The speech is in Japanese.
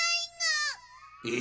え？